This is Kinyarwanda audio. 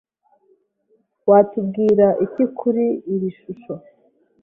Watubwira iki kuri iri shusho?